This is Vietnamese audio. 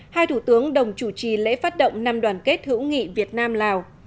hai thủ tướng đồng chủ trì lễ phát động năm đoàn kết hữu nghị việt nam lào